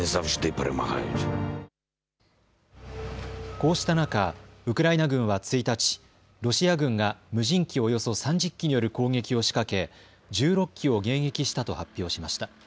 こうした中、ウクライナ軍は１日、ロシア軍が無人機およそ３０機による攻撃を仕掛け１６機を迎撃したと発表しました。